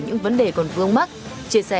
những vấn đề còn vương mắc chia sẻ